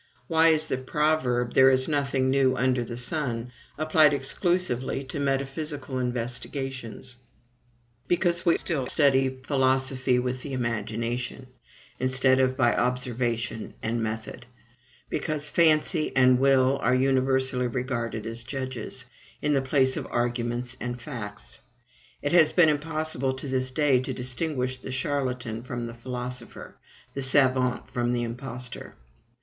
Why is the proverb, THERE IS NOTHING NEW UNDER THE SUN, applied exclusively to metaphysical investigations? Because we still study philosophy with the imagination, instead of by observation and method; because fancy and will are universally regarded as judges, in the place of arguments and facts, it has been impossible to this day to distinguish the charlatan from the philosopher, the savant from the impostor.